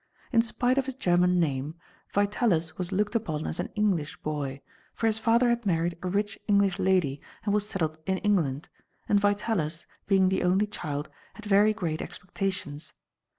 In spite of his German name, Vitalis was looked upon as an English boy, for his father had married a rich English lady and was settled in England; and Vitalis, being the only child, had very great expectations.